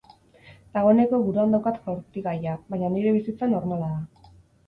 Dagoeneko buruan daukat jaurtigaia, baina nire bizitza normala da.